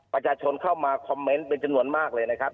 ประชาชนเข้ามาคอมเมนต์เป็นจำนวนมากเลยนะครับ